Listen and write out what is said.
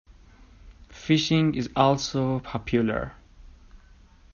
Fishing is also popular.